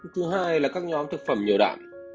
thứ hai là các nhóm thực phẩm nhiều đạm